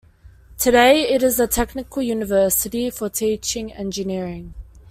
Today, it is a technical university for teaching engineering.